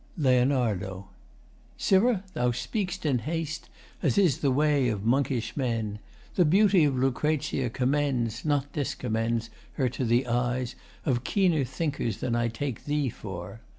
LEONARDO Sirrah, thou speakst in haste, as is the way Of monkish men. The beauty of Lucrezia Commends, not discommends, her to the eyes Of keener thinkers than I take thee for.